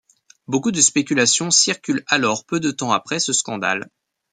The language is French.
Beaucoup de spéculations circulent alors peu de temps après ce scandale.